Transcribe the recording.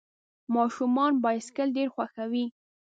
ماشومان بایسکل ډېر خوښوي.